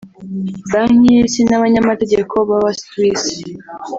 Banki y’Isi n’abanyamategeko b’abasuwisi